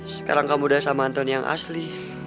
sekarang kamu udah sama anton yang asli